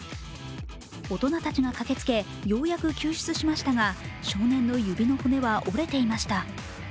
大人たちが駆けつけようやく救出しましたが少年の指の骨は折れていました。